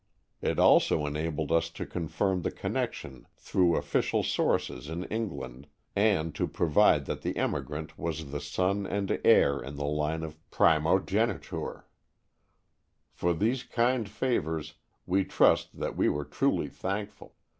It also enabled us to confirm the connection through official sources in England, and to prove that the emigrant was the son and heir in the line of primogeniture. For these kind favors, we trust that we were truly thankful.